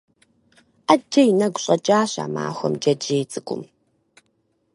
Ӏэджэ и нэгу щӀэкӀащ а махуэм джэджьей цӀыкӀум.